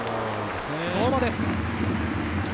相馬です。